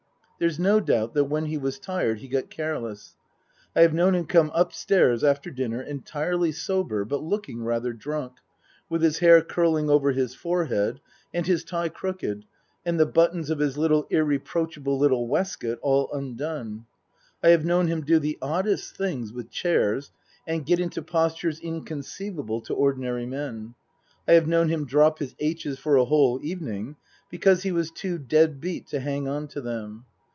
There's no doubt that when he was tired he got careless. I have known him come upstairs after dinner, entirely sober, but looking rather drunk, with his hair curling over his forehead and his tie crooked and the buttons of his irreproachable little waistcoat all undone. I have known him do the oddest things with chairs and get into postures inconceivable to ordinary men. I have known him drop his aitches for a whole evening because he was too dead beat to hang on to them.